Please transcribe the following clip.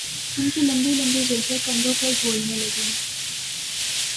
ان کی لمبی لمبی زلفیں کندھوں پر جھولنے لگیں